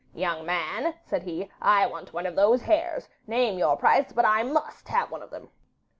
'Young man,' said he, 'I want one of those hares; name your price, but I MUST have one of them.